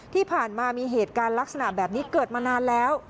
ที่ผ่านมามีเหตุการณ์ลักษณะแบบนี้เกิดมานานแล้ว